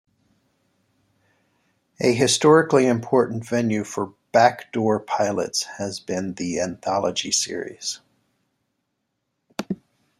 A historically important venue for backdoor pilots has been the anthology series.